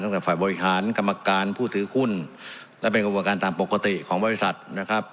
ฝ่ายบริหารกรรมการผู้ถือหุ้นและเป็นกระบวนการตามปกติของบริษัทนะครับ